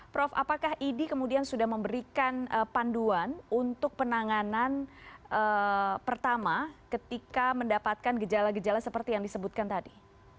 prof apakah idi kemudian sudah memberikan panduan untuk penanganan pertama ketika mendapatkan gejala gejala seperti yang disebutkan tadi